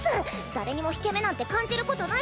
誰にも引け目なんて感じることないっス。